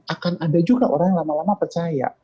akan ada juga orang yang lama lama percaya